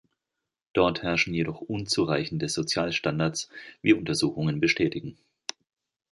Dort herrschen jedoch unzureichende Sozialstandards, wie Untersuchungen bestätigen.